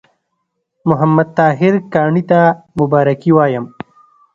محمد طاهر کاڼي ته مبارکي وایم.